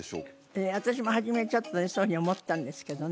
いや私も初めちょっとねそういうふうに思ったんですけどね